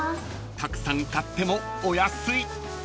［たくさん買ってもお安い］